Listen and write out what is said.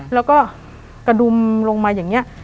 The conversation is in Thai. แล้วก็กระดุมลงมาอย่างนี้